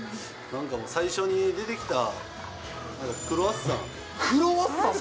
なんかもう、最初に出てきたクロワッサン。